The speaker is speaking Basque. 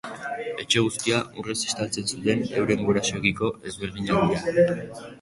Etxe guztia urrez estaltzen zuten euren gurasoekiko ezberdinak dira.